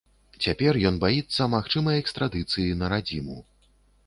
Цяпер ён баіцца магчымай экстрадыцыі на радзіму.